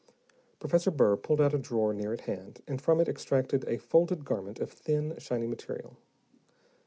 Professor Burr pulled out a drawer near at hand, and from it extracted a folded garment of thin, shiny material.